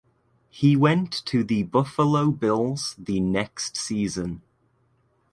He went to the Buffalo Bills the next season.